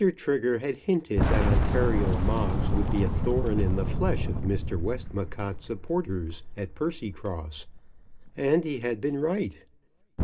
Trigger had hinted that Ontario Moggs would be a thorn in the flesh of Mr. Westmacott's supporters at Percycross, and he had been right.